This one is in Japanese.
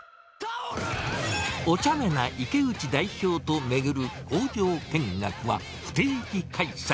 おちゃめな池内代表と巡る工場見学は不定期開催。